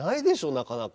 なかなか。